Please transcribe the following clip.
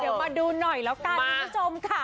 เดี๋ยวมาดูหน่อยแล้วกันคุณผู้ชมค่ะ